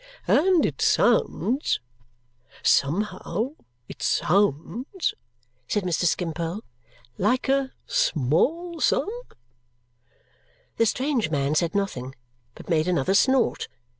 "And it sounds somehow it sounds," said Mr. Skimpole, "like a small sum?" The strange man said nothing but made another snort.